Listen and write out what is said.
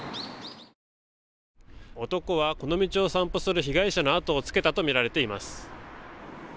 男はこの道を散歩する被害者の後をつけたと見られています。